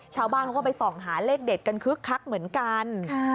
ชาวบ้านเขาก็ไปส่องหาเลขเด็ดกันคึกคักเหมือนกัน